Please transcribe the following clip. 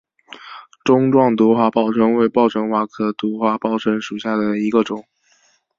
钟状独花报春为报春花科独花报春属下的一个种。